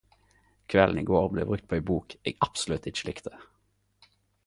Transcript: Kvelden i går blei brukt på ei bok eg absolutt ikkje likte.